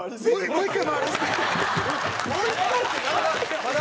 もう一回って何。